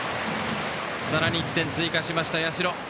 さらに１点追加しました、社。